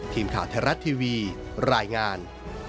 ทีมข่าวไทยรัฐทีวีรายงาน